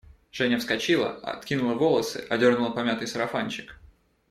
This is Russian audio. Женя вскочила, откинула волосы, одернула помятый сарафанчик